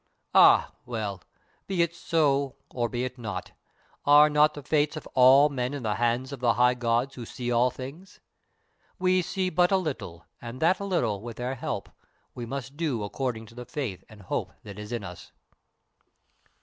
Ah well, be it so or be it not, are not the fates of all men in the hands of the High Gods who see all things? We see but a little, and that little, with their help, we must do according to the faith and the hope that is in us."